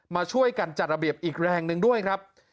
มาช่วยกันจัดระเบียบอีกแรงหนึ่งด้วยครับ